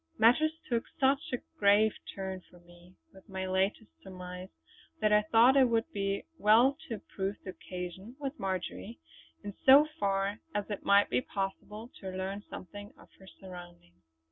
Matters took such a grave turn for me with my latest surmise, that I thought it would be well to improve the occasion with Marjory, in so far as it might be possible to learn something of her surroundings.